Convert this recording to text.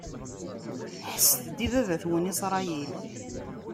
Ḥesset-d i baba-twen Isṛayil!